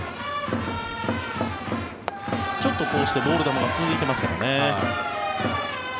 ちょっとこうしてボール球が続いてますけどね。